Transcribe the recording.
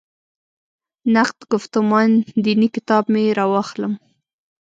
«نقد ګفتمان دیني» کتاب مې راواخلم.